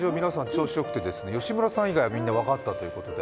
調子よくて、吉村さん以外分かったということで。